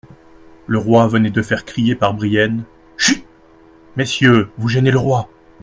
Le roi venait de faire crier par Brienne : Chut ! messieurs, vous gênez le roi.